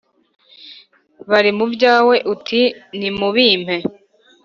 bari mu byawe uti : nimubimpe.